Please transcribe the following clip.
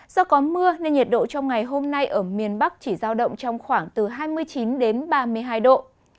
do có mưa nên nhiệt độ trong ngày hôm nay ở miền bắc chỉ giao động trong khoảng từ hai mươi chín đến ba mươi hai độ